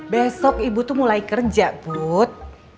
besok ibu tuh mulai kerja bud